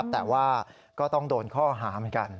แต่ว่าก็ต้องโดนข้อหาเหมือนกัน